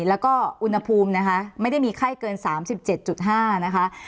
แล้วก็อุณหภูมินะคะไม่ได้มีไข้เกิน๓๗๕นะคะ